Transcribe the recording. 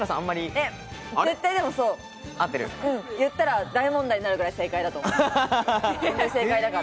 言ったら大問題になるくらい正解だと思う。